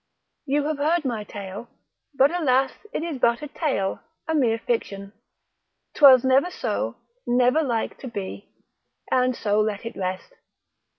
You have heard my tale: but alas it is but a tale, a mere fiction, 'twas never so, never like to be, and so let it rest.